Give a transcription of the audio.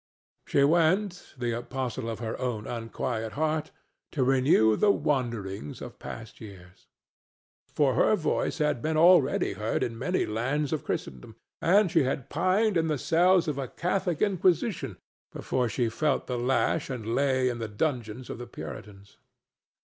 She went, the apostle of her own unquiet heart, to renew the wanderings of past years. For her voice had been already heard in many lands of Christendom, and she had pined in the cells of a Catholic Inquisition before she felt the lash and lay in the dungeons of the Puritans.